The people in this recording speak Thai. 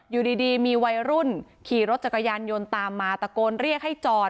อยู่ดีมีวัยรุ่นขี่รถจักรยานยนต์ตามมาตะโกนเรียกให้จอด